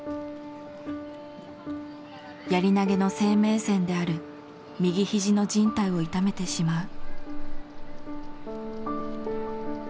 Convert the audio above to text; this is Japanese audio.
やり投げの生命線である右ひじのじん帯を痛めてしまう。